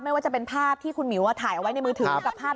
ไม่ว่าจะเป็นภาพที่คุณหมิวถ่ายเอาไว้ในมือถือกับภาพ